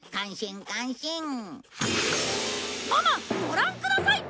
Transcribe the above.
ご覧ください！